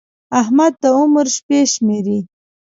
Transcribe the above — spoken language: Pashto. احمد د عمر شپې شمېري.